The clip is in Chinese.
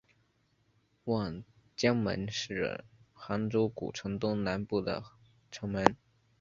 望江门是杭州古城东南部的城门。